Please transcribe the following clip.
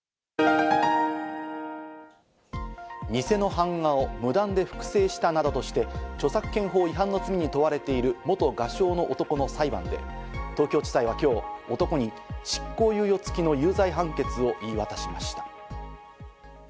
偽の版画を無断で複製したなどとして、著作権法違反の罪に問われている元画商の男の裁判で、東京地裁は今日、男に執行猶予付きの有罪判決を言い渡しました。